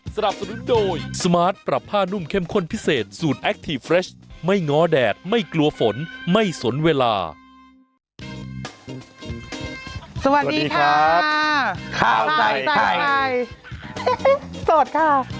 สวัสดีครับสวัสดีครับสวัสดีครับข้าวไทยไทยสดค่ะ